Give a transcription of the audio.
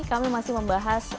kami masih membahas